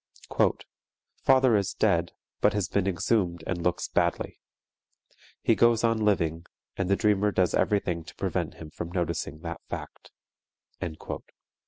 "_Father is dead, but has been exhumed and looks badly. He goes on living, and the dreamer does everything to prevent him from noticing that fact.